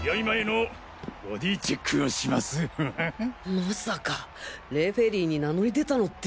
まさかレフェリーに名乗り出たのって。